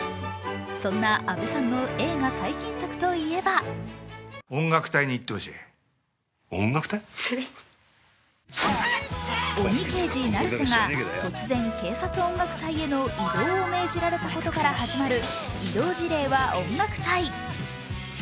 そんな阿部さんの映画最新作といえば鬼刑事・成瀬が突然、警察音楽隊への異動を命じられたことから始まる「異動辞令は音楽隊！」。